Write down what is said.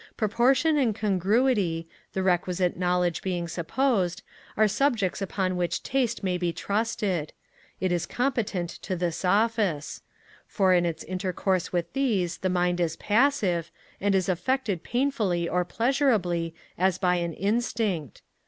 Proportion and congruity, the requisite knowledge being supposed, are subjects upon which taste may be trusted; it is competent to this office for in its intercourse with these the mind is passive, and is affected painfully or pleasurably as by an instinct.